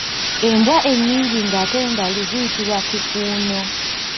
Embwa ennyingi ng’ate ndalu ziyitibwa Kikuuno.